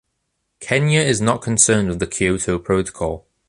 Kenya is not concerned with the Kyoto Protocol.